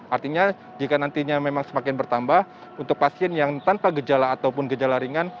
artinya jika nantinya memang semakin bertambah untuk pasien yang tanpa gejala ataupun gejala ringan